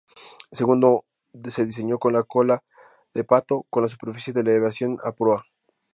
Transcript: Segundo, se diseñó con "cola de pato", con la superficie de elevación a proa.